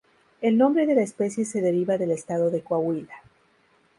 El nombre de la especie se deriva del estado de Coahuila.